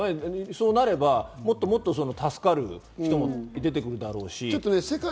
そうなればもっともっと助かる人も出てくるだろうし。